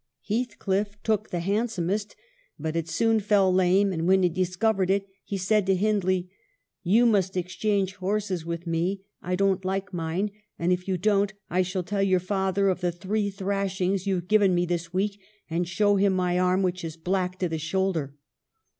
Heathcliff took the handsomest, but it soon fell lame, and when he discovered it, he said to Hindley : 'You must exchange horses with me, I don't like mine ; and if you don't I shall tell your father of the three thrashings you've given me this week, and show him my arm which is black to the shoulder.'